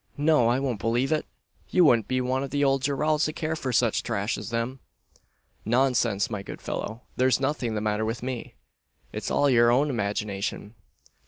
No, I won't believe it. You wudn't be wan av the owld Geralds to care for such trash as them." "Nonsense, my good fellow! There's nothing the matter with me. It's all your own imagination."